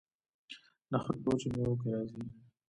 نخود په وچو میوو کې راځي.